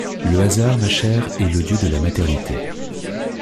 Le hasard, ma chère, est le dieu de la maternité.